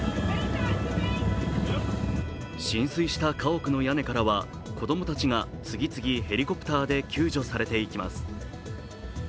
浸水した家屋の屋根からは子供たちが次々、ヘリコプターで救助されていきます。